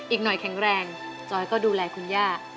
อีกหน่อยแข็งแรงจอยก็ดูแลคุณย่า